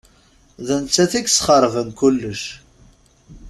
D nettat i yesxeṛben kullec.